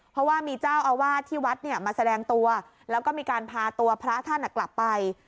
เพราะว่ามีเจ้าอาวาสที่วัดเนี่ยมาแสดงตัวแล้วก็มีการพาตัวพระท่านกลับไป